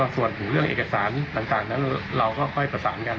ส่วนเรื่องเอกสารต่างนั้นเราก็ค่อยประสานกัน